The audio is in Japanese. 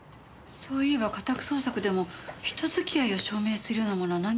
そういえば家宅捜索でも人付き合いを証明するような物はなんにも出なかったわよね。